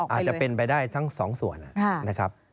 อาจจะเป็นไปได้ทั้งสองส่วนนะครับ